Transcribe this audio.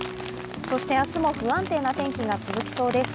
そして明日も不安定な天気が続きそうです。